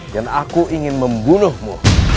dan aku ingin membunuhmu